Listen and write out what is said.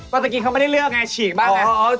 ตะกี้เขาไม่ได้เลือกไงฉีกบ้างไง